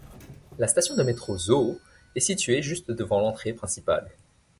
La station de métro Zoo est située juste devant l'entrée principale.